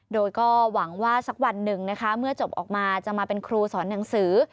โดยก็หวังว่าสักวันหนึ่งนะคะเมื่อจบออกมาจะมาเป็นครูสอนหนังสือ